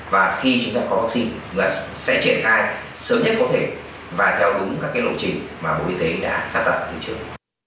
và khi chúng ta có vaccine chúng ta sẽ triển khai sớm nhất có thể và theo đúng các cái lộ trình mà bộ y tế đã sắp đặt từ trước